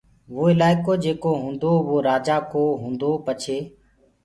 وو الآڪو جيڪو هوٚندو وو رآجآ ڪو، هوندو پڇي